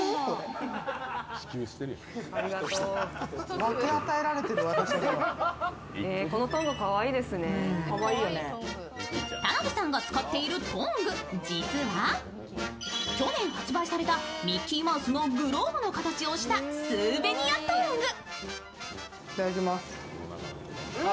その中には田辺さんが使っているトング、実は去年発売されたミッキーマウスのグローブの形をしたスーベニアトング。